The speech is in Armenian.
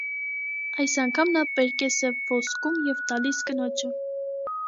Այս անգամ նա պերկես է ոսկում և տալիս կնոջը։